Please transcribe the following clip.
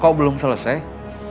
kok belum selesai